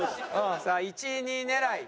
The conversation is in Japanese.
さあ１位２位狙い。